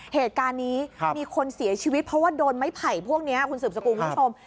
เหตุการณ์นี้มีคนเสียชีวิตเพราะว่าโดนไม้ไผ่พวกนี้คุณสืบสกุลคุณผู้ชม